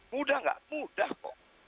mudah nggak mudah kok